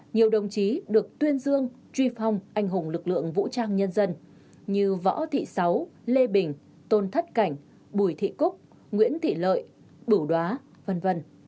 nhiều đồng chí được tuyên dương truy phong anh hùng lực lượng vũ trang nhân dân như võ thị sáu lê bình tôn thất cảnh bùi thị cúc nguyễn thị lợi bửu đó v v